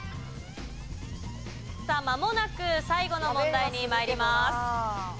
さあまもなく最後の問題に参ります。